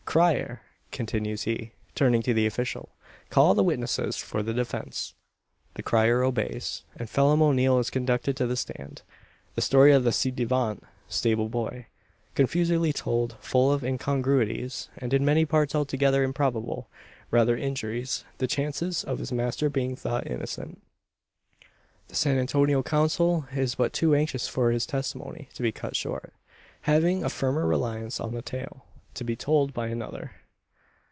Crier!" continues he, turning to the official; "call the witnesses for the defence." The crier obeys; and Phelim O'Neal is conducted to the stand. The story of the ci devant stable boy, confusedly told, full of incongruities and in many parts altogether improbable rather injures the chances of his master being thought innocent. The San Antonio counsel is but too anxious for his testimony to be cut short having a firmer reliance on the tale to be told by another.